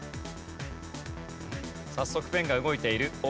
早速ペンが動いている。